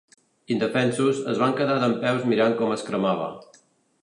Indefensos, es van quedar dempeus mirant com es cremava.